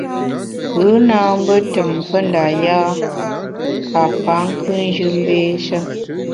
Kù na mbe tùm mfe nda yâ ka pa nkùnjù mbééshe.